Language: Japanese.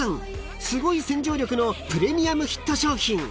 ［すごい洗浄力のプレミアムヒット商品］